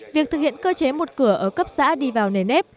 việc thực hiện cơ chế một cửa ở cấp xã đi vào nền ép